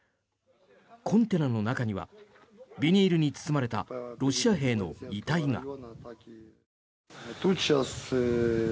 コンテナの中にはビニールに包まれたロシア兵の遺体が。